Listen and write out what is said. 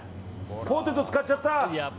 ポテトに使っちゃった。